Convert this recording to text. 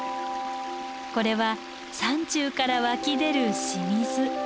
これは山中から湧き出る清水。